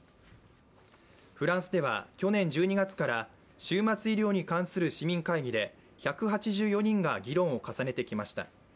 フランスでは、去年１２月から終末医療に関する市民会議で１８４人が議論を重ねてきました。